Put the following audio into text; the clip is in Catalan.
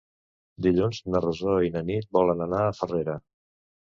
Dilluns na Rosó i na Nit volen anar a Farrera.